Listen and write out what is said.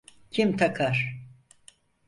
Kim takar?